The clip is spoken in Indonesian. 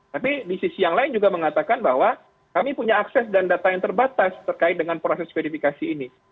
tapi di sisi yang lain juga mengatakan bahwa kami punya akses dan data yang terbatas terkait dengan proses verifikasi ini